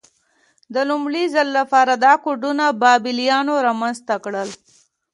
د لومړي ځل لپاره دا کوډونه بابلیانو رامنځته کړل.